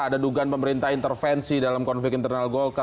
ada dugaan pemerintah intervensi dalam konflik internal golkar